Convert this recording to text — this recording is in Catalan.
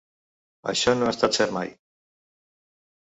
Això no ha estat cert mai.